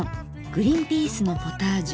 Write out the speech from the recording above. グリンピースのポタージュ。